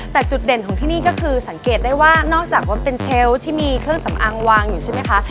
แต่จุดเด่นของที่นี่ก็คือสังเกตได้ว่านอกจากว่าเป็นเชลล์ที่มีเครื่องสำอางวางอยู่ใช่ไหมคะ